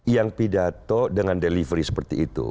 yang pidato dengan delivery seperti itu